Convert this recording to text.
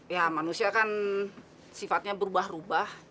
ya manusia kan sifatnya berubah rubah